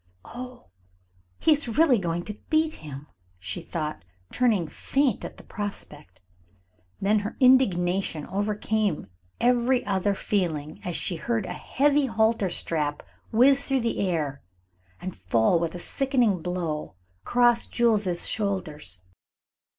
"Oh, he is really going to beat him," she thought, turning faint at the prospect. Then her indignation overcame every other feeling as she heard a heavy halter strap whiz through the air and fall with a sickening blow across Jules's shoulders.